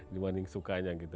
dibanding sukanya gitu